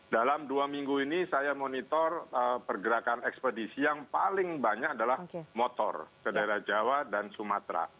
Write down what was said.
dalam dua minggu ini saya monitor pergerakan ekspedisi yang paling banyak adalah motor ke daerah jawa dan sumatera